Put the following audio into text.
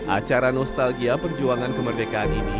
acara nostalgia perjuangan kemerdekaan ini